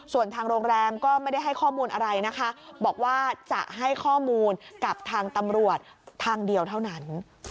ส่วนทางโรงแรมก็ไม่ได้ให้ข้อมูลอะไรนะคะบอกว่าจะให้ข้อมูลกับทางตำรวจทางเดียวเท่านั้น